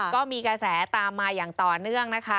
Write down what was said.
ก็มีกระแสตามมาอย่างต่อเนื่องนะคะ